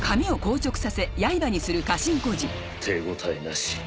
手応えなし。